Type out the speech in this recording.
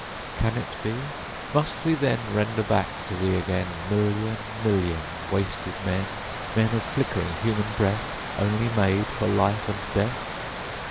Can it be? Must we then Render back to Thee again Million, million wasted men? Men, of flickering human breath, Only made for life and death?